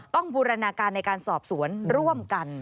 บูรณาการในการสอบสวนร่วมกัน